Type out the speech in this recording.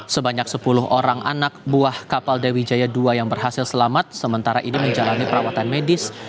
sebanyak sepuluh orang anak buah kapal dewi jaya dua yang berhasil selamat sementara ini menjalani perawatan medis